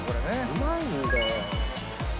うまいんだよ。